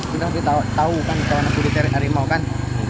sudah tahu kan kawan aku diseret hari mau kan